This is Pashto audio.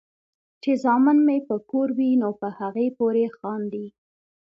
چې زامن مې کور وي نو پۀ هغې پورې خاندي ـ